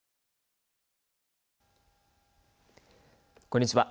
こんにちは。